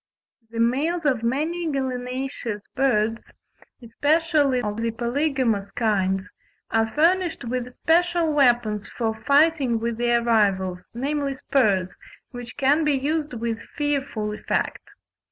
The males of many gallinaceous birds, especially of the polygamous kinds, are furnished with special weapons for fighting with their rivals, namely spurs, which can be used with fearful effect.